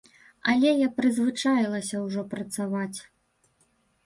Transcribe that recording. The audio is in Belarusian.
Але я прызвычаілася ўжо працаваць.